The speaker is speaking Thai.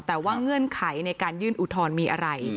แต่ว่าเงื่อนไขในการยื่นอุทธรณ์มีอะไร